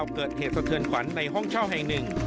เกิดเหตุสะเทือนขวัญในห้องเช่าแห่งหนึ่ง